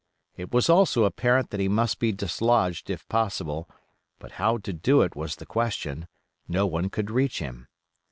It was also apparent that he must be dislodged if possible; but how to do it was the question; no one could reach him.